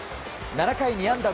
７回２安打